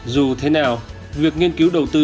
dù thế nào việc nghiên cứu đầu tư